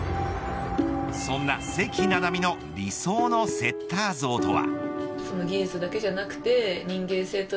そんな関菜々巳の理想のセッター像とは。